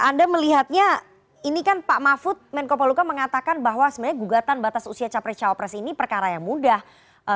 anda melihatnya ini kan pak mahfud menko poluka mengatakan bahwa sebenarnya gugatan batas usia capres cawapres ini perkara yang mudah